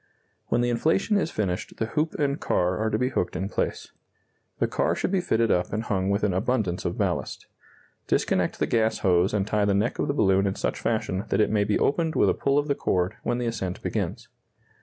When the inflation is finished the hoop and car are to be hooked in place. The car should be fitted up and hung with an abundance of ballast. Disconnect the gas hose and tie the neck of the balloon in such fashion that it may be opened with a pull of the cord when the ascent begins.